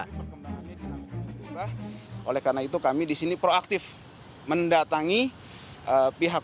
perkembangannya tidak akan berubah oleh karena itu kami di sini proaktif mendatangi pihak